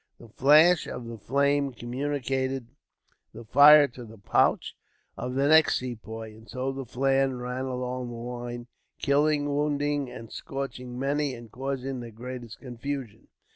The flash of the flame communicated the fire to the pouch of the next Sepoy, and so the flame ran along the line, killing, wounding, and scorching many, and causing the greatest confusion.